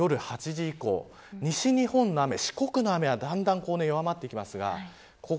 夜８時以降、西日本の雨四国の雨はだんだん弱まってきています。